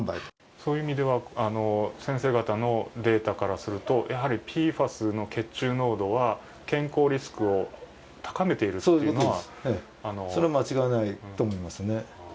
そういう意味では、先生方のデータからすると、やはりＰＦＡＳの血中濃度は健康リスクを高めているというのは？